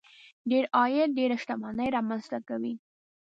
ډېر عاید ډېره شتمني رامنځته کوي.